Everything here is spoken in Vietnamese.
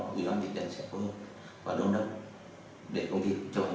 và lúc đó để công ty chọn nghiệp cái kết luận này